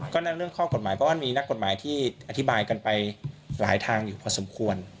ก็เรื่องข้ะกดหมายเพราะมีเนเบ่าะกดหมายที่อธิบายกันไปหลายทางอยู่พอสมควร